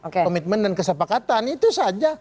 komitmen dan kesepakatan itu saja